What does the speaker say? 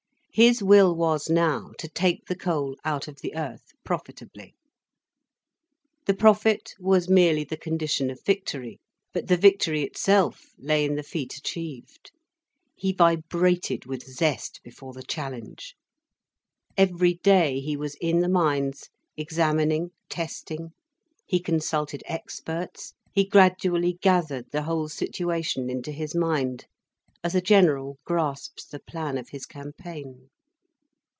His will was now, to take the coal out of the earth, profitably. The profit was merely the condition of victory, but the victory itself lay in the feat achieved. He vibrated with zest before the challenge. Every day he was in the mines, examining, testing, he consulted experts, he gradually gathered the whole situation into his mind, as a general grasps the plan of his campaign.